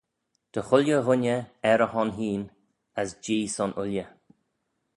Dy chooilley ghooinney er e hon hene, as Jee son ooilley